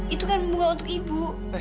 itu kan bunga untuk ibu